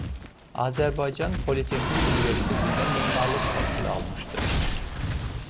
Azərbaycan Politexnik universitetində memarlıq təhsili almışdır.